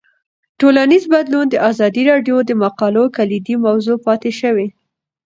ټولنیز بدلون د ازادي راډیو د مقالو کلیدي موضوع پاتې شوی.